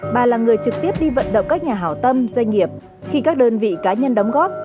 bà là người trực tiếp đi vận động các nhà hảo tâm doanh nghiệp khi các đơn vị cá nhân đóng góp